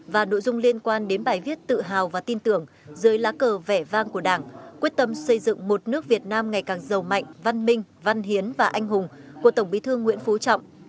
và nội dung liên quan đến bài viết tự hào và tin tưởng dưới lá cờ vẻ vang của đảng quyết tâm xây dựng một nước việt nam ngày càng giàu mạnh văn minh văn hiến và anh hùng của tổng bí thư nguyễn phú trọng